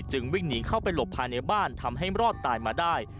วิ่งหนีเข้าไปหลบภายในบ้านทำให้รอดตายมาได้